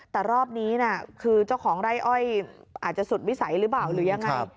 แต่รอบนี้นะคือเจ้าของไร่อ้อยอาจจะสุดวิสัยหรือเปล่าหรือยังไง